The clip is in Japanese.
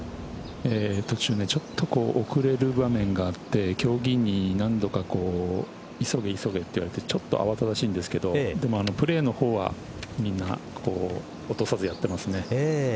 途中ちょっと遅れる場面があって競技委員に何度か急げ急げと言われて慌ただしいんですがプレーの方は、みんな落とさずやってますね。